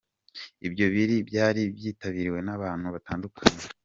Ibyo birori byari byitabiriwe n’abantu batandukanye.